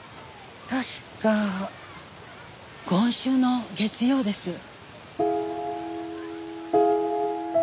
確か今週の月曜です。